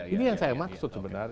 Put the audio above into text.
ini yang saya maksud sebenarnya